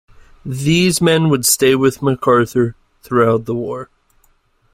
These men would stay with MacArthur throughout the war.